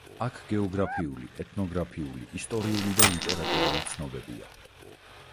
აქ გეოგრაფიული, ეთნოგრაფიული, ისტორიული და ლიტერატურული ცნობებია.